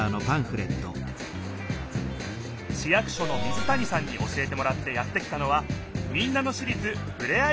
市役所の水谷さんに教えてもらってやって来たのは民奈野市立ふれあい